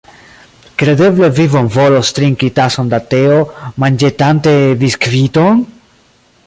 Kredeble vi bonvolos trinki tason da teo, manĝetante biskviton?